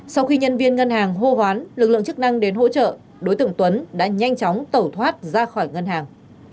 sau khi nhân viên ngân hàng hô hoán lực lượng chức năng đến hỗ trợ đối tượng tuấn đã nhanh chóng tẩu thoát ra khỏi ngân hàng